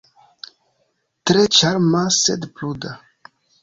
Tre ĉarma, sed pruda.